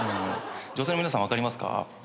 女性の皆さん分かりますか。